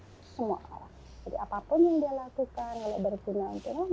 kalau berguna untuk orang